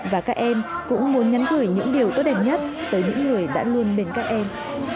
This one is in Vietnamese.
và các em cũng muốn nhắn gửi những điều tốt đẹp nhất tới những người đã luôn bên các em